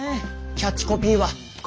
キャッチコピーは。